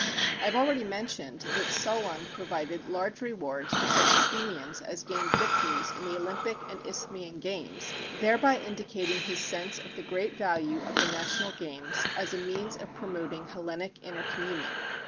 I have already mentioned that Solon provided large rewards for such Athenians as gained victories in the Olympic and Isthmian games, thereby indicating his sense of the great value of the national games as a means of promoting Hellenic intercommunion.